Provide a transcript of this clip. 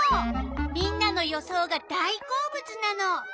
みんなの予想が大好物なの。